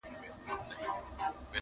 سپرلي حُسن ګلاب رنګ ترې زکات غواړي,